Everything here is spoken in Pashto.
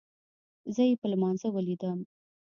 زه يې په لمانځه وليدم.